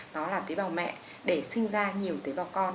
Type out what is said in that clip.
đó là tế bào mẹ để sinh ra nhiều tế bào con